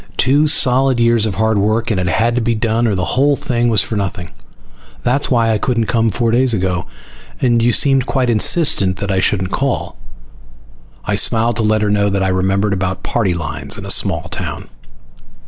Two solid years of hard work and it had to be done or the whole thing was for nothing. That's why I couldn't come four days ago. And you seemed quite insistent that I shouldn't call." I smiled to let her know that I remembered about party lines in a small town.